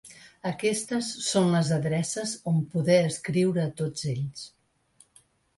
Aquestes són les adreces on poder escriure a tots ells.